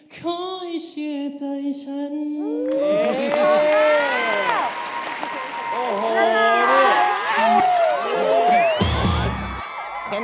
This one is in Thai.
ขอให้เชื่อใจฉัน